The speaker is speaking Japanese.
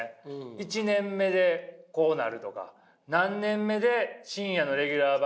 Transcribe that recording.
１年目でこうなるとか何年目で深夜のレギュラー番組を持つとか。